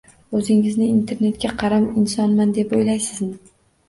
- O'zingizni internetga qaram insonman deb o'ylaysizmi?